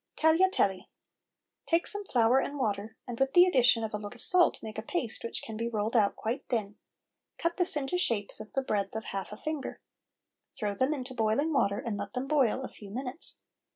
TAGLIATELLI. Take some flour and water, and with the addition of a little salt make a paste which can be rolled out quite thin; cut this into shapes of the breadth of half a finger. Throw them into boiling water and let them boil a few minutes.